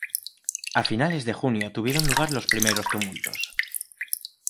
A finales de junio tuvieron lugar los primeros tumultos.